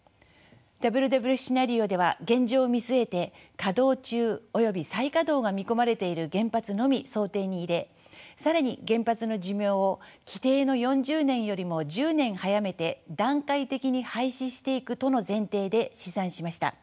ＷＷＦシナリオでは現状を見据えて稼働中および再稼働が見込まれている原発のみ想定に入れ更に原発の寿命を規定の４０年よりも１０年早めて段階的に廃止していくとの前提で試算しました。